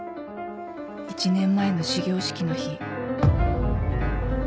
１年前の始業式の日